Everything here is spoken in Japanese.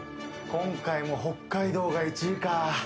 今回も北海道が１位か。